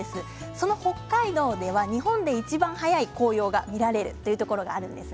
その北海道では日本でいちばん早い紅葉が見られるというところがあるんです。